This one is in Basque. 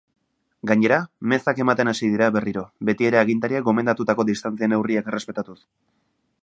Gainera, mezak ematen hasi dira berriro, betiere agintariek gomendatutako distantzia-neurriak errespetatuz.